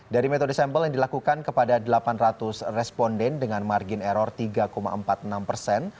dari metode sampel yang dilakukan kepada delapan ratus responden dengan margin error tiga empat puluh enam persen